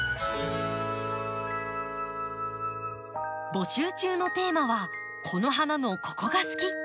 募集中のテーマは「この花のここが好き！」。